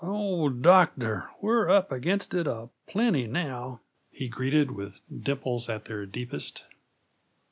"Oh, doctor! We're up against it a plenty now," he greeted, with his dimples at their deepest.